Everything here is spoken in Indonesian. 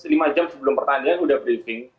lima jam sebelum pertandingan sudah briefing